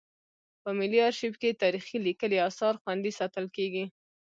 په ملي ارشیف کې تاریخي لیکلي اثار خوندي ساتل کیږي.